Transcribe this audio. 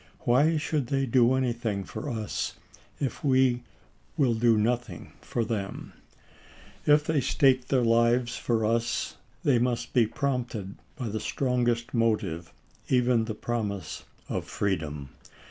Why should they do anything for us if we will do nothing for them ? If they stake their lives for us, they must be prompted by the strongest motive, even the promise of freedom.